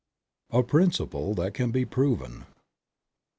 A PRINCIPLE THAT CAN BE PROVEN.